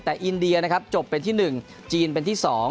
แต่อินเดียนะครับจบเป็นที่๑จีนเป็นที่๒